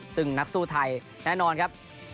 ซึ่งนักสู้ไทยแน่นอนครับ